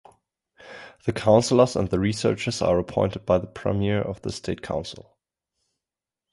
The counsellors and the researchers are appointed by the Premier of the State Council.